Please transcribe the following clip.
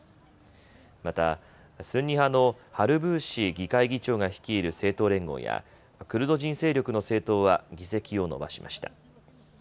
また、スンニ派のハルブーシ議会議長が率いる政党連合やクルド人勢力の政党は議席を伸ばしました。